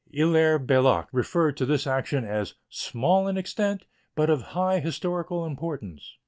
Hilaire Belloc referred to this action as "small in extent but of high historical importance."